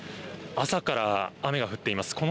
朝から雨が降っています。